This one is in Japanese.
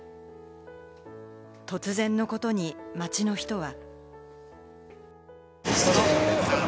突然のことに街の人は。